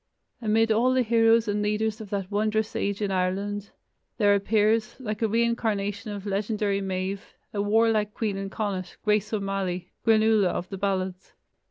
Amid all the heroes and leaders of that wondrous age in Ireland, there appears, like a reincarnation of legendary Medb, a warlike queen in Connacht, Grace O'Malley, "Granuaile" of the ballads.